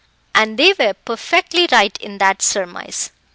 And they were perfectly right in that surmise.